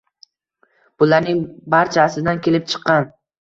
Bularning barchasidan kelib chiqqan